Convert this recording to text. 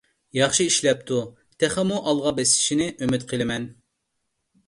ياخشى ئىشلەپتۇ، تېخىمۇ ئالغا بېسىشىنى ئۈمىد قىلىمەن.